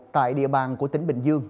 tại địa bàn của tỉnh bình dương